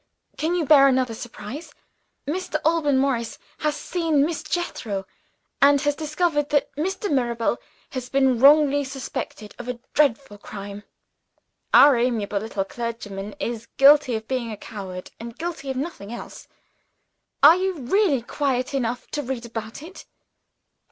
"Can you bear another surprise? Mr. Morris has seen Miss Jethro, and has discovered that Mr. Mirabel has been wrongly suspected of a dreadful crime. Our amiable little clergyman is guilty of being a coward and guilty of nothing else. Are you really quiet enough to read about it?"